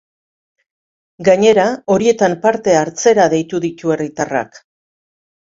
Gainera, horietan parte hartzera deitu ditu herritarrak.